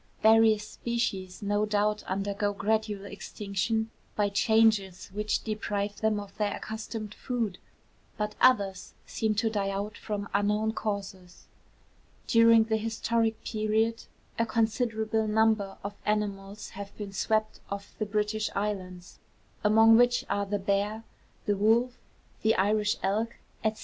Various species no doubt undergo gradual extinction by changes which deprive them of their accustomed food; but others seem to die out from unknown causes. During the historic period a considerable number of animals have been swept off the British Islands, among which are the bear, the wolf, the Irish elk, &c.